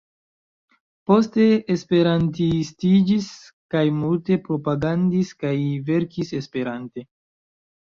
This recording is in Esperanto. Poste Esperantistiĝis kaj multe propagandis kaj verkis Esperante.